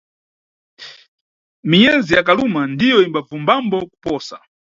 Minyezi ya kaluma ndiyo imbabvumbambo kuposa.